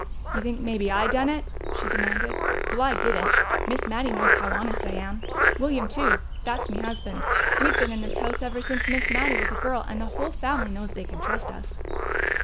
"You think maybe I done it?" she demanded. "Well, I didn't! Miss Mattie knows how honest I am. William too that's me husband. We've been in this house ever since Miss Mattie was a girl, and the whole family knows they can trust us."